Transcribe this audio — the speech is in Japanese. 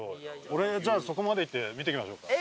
俺じゃあそこまで行って見てきましょうか。